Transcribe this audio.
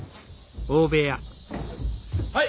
はい！